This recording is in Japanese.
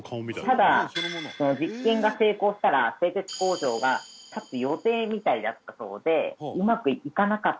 ただ実験が成功したら製鉄工場が建つ予定みたいだったそうで。